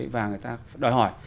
và người ta đòi hỏi